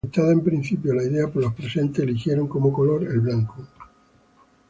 Aceptada en principio la idea por los presentes, eligieron como color el blanco.